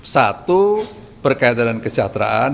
satu berkaitan dengan kesejahteraan